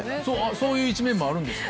そういう一面もあるんですか？